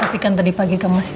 tapi kan tadi pagi kamu masih